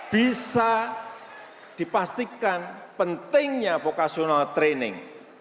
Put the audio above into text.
bisa dipastikan pentingnya vocational training